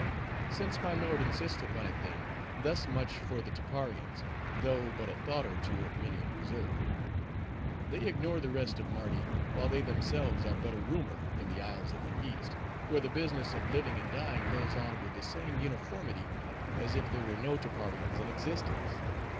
"Since my lord insists upon it then, thus much for the Tapparians, though but a thought or two of many in reserve. They ignore the rest of Mardi, while they themselves are but a rumor in the isles of the East; where the business of living and dying goes on with the same uniformity, as if there were no Tapparians in existence.